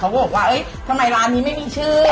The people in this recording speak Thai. เขาบอกทำไมร้านนี้ไม่มีชื่อ